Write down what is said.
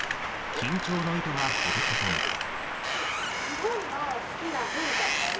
緊張の糸がほどけたのか。